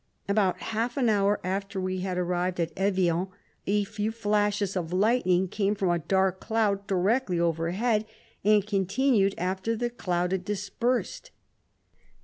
About half an hour after we had arrived at Evian, a few flashes of lightning came from a dark cloud, directly over head, and con tinued after the cloud had dispersed.